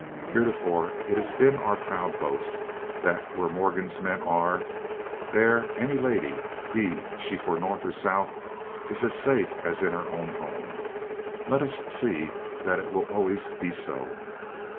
Heretofore it has been our proud boast that where Morgan's men are there any lady, be she for North or South, is as safe as in her own home. Let us see that it will always be so."